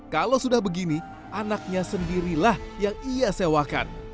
kalau sudah begini anaknya sendirilah yang ia sewakan